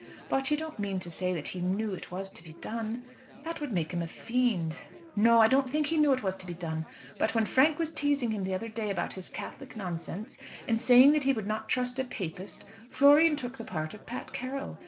But you don't mean to say that he knew it was to be done? That would make him a fiend." "No; I don't think he knew it was to be done. But when Frank was teasing him the other day about his Catholic nonsense, and saying that he would not trust a Papist, Florian took the part of Pat Carroll.